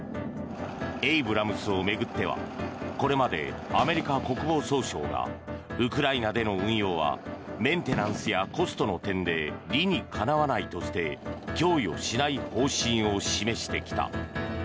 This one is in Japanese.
エイブラムスを巡ってはこれまでアメリカ国防総省がウクライナでの運用はメンテナンスやコストの点で理にかなわないとして供与しない方針を示してきた。